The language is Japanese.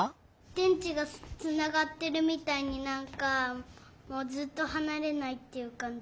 でんちがつながってるみたいになんかもうずっとはなれないっていうかんじ。